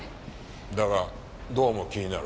だがどうも気になる。